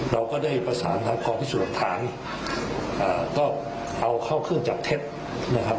เราก็ได้ประสานทางกองพิสูจน์หลักฐานก็เอาเข้าเครื่องจับเท็จนะครับ